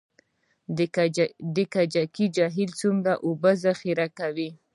د کجکي جهیل څومره اوبه ذخیره کوي؟